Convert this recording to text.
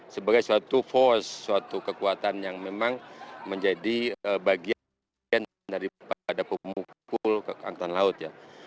sebagai suatu force suatu kekuatan yang memang menjadi bagian daripada pemukul angkatan laut ya